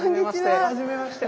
はじめまして。